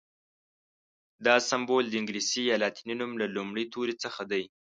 دا سمبول د انګلیسي یا لاتیني نوم له لومړي توري څخه دی.